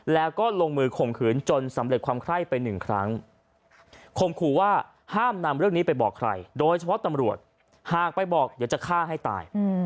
แล้วก็ลงมือข่มขืนจนสำเร็จความไคร้ไปหนึ่งครั้งข่มขู่ว่าห้ามนำเรื่องนี้ไปบอกใครโดยเฉพาะตำรวจหากไปบอกเดี๋ยวจะฆ่าให้ตาย